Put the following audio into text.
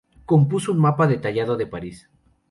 Compuso un mapa detallado de París.